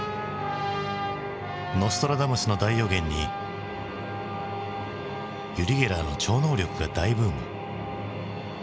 ノストラダムスの大予言にユリ・ゲラーの超能力が大ブーム。